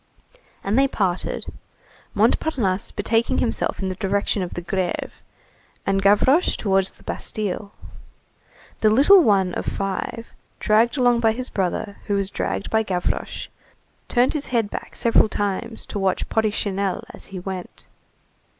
And they parted, Montparnasse betaking himself in the direction of the Grève, and Gavroche towards the Bastille. The little one of five, dragged along by his brother who was dragged by Gavroche, turned his head back several times to watch "Porrichinelle" as he went.